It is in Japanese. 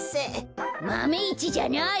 マメ１じゃない！